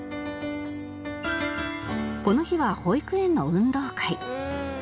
この日は保育園の運動会